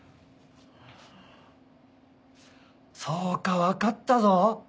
そうか分かったぞ！